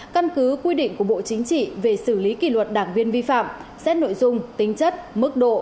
căn cứ quy định của bộ chính trị về xử lý kỷ luật đảng viên vi phạm xét nội dung tính chất mức độ